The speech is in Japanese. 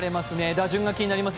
打順が気になります。